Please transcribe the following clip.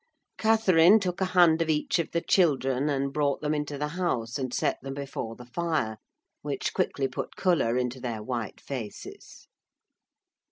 Catherine took a hand of each of the children, and brought them into the house and set them before the fire, which quickly put colour into their white faces.